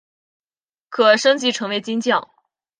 可升级成为金将。